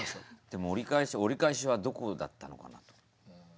でも折り返しはどこだったのかなと。